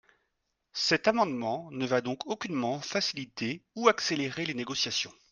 Cet amendement ne va donc aucunement faciliter ou accélérer les négociations.